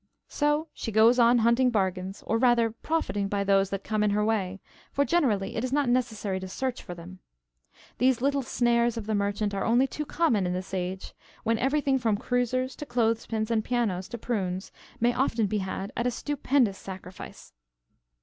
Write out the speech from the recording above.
So she goes on hunting bargains, or rather profiting by those that come in her way, for generally it is not necessary to search for them. These little snares of the merchant are only too common in this age, when everything from cruisers to clothes pins and pianos to prunes may often be had at a stupendous sacrifice.